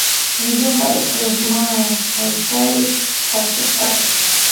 Ngoma ivumayo haikawii kupasuka